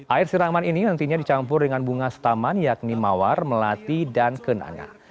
air siraman ini nantinya dicampur dengan bunga setaman yakni mawar melati dan kenanga